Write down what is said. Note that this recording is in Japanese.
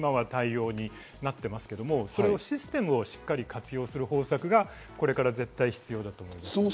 警備員で人海戦術で今は多様になっていますけれども、それをシステムをしっかり活用する方策がこれから絶対必要だと思います。